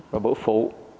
rồi bữa phụ